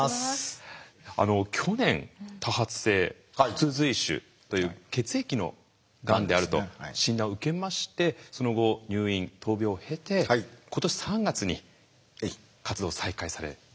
去年多発性骨髄腫という血液のがんであると診断を受けましてその後入院・闘病を経て今年３月に活動を再開されたんですよね。